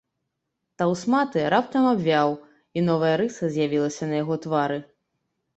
Таўсматы раптам абвяў, і новая рыса з'явілася на яго твары.